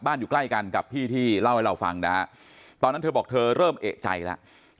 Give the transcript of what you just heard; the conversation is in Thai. อยู่ใกล้กันกับพี่ที่เล่าให้เราฟังนะฮะตอนนั้นเธอบอกเธอเริ่มเอกใจแล้ว